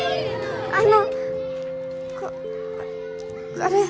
あのここれ